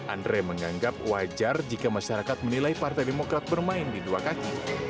andre menganggap wajar jika masyarakat menilai partai demokrat bermain di dua kaki